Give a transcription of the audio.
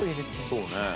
そうね。